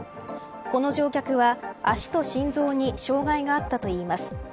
この乗客は足と心臓に障害があったといいます。